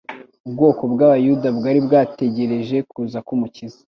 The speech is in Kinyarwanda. Ubwoko bw'Abayuda bwari bwarategereje kuza k'Umukiza,